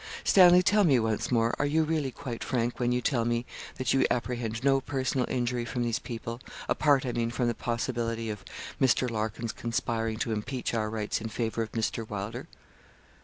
'Stanley, tell me once more, are you really quite frank when you tell me that you apprehend no personal injury from these people apart, I mean, from the possibility of Mr. Larkin's conspiring to impeach our rights in favour of Mr. Wylder?'